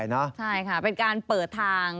ใช่ค่ะเป็นการเปิดทาง